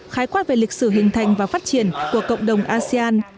khái quát về lịch sử hình thành và phát triển của cộng đồng asean